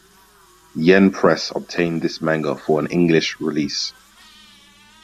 Yen Press obtained this manga for an English release.